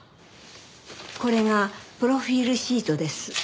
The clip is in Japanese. これがプロフィールシートです。